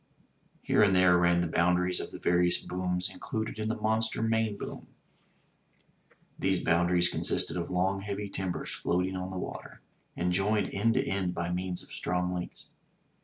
Here and there ran the boundaries of the various booms included in the monster main boom. Those boundaries consisted of long heavy timbers floating on the water, and joined end to end by means of strong links.